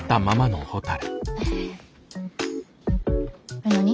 えっ何？